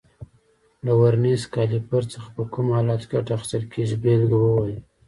له ورنیز کالیپر څخه په کومو حالاتو کې ګټه اخیستل کېږي بېلګه ووایئ.